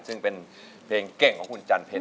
ซึ่งเป็นเพลงเก่งของคุณจันเพชร